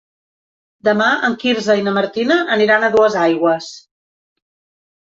Demà en Quirze i na Martina aniran a Duesaigües.